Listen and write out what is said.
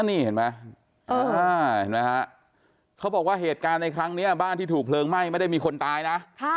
นี่เห็นไหมเห็นไหมฮะเขาบอกว่าเหตุการณ์ในครั้งนี้บ้านที่ถูกเพลิงไหม้ไม่ได้มีคนตายนะ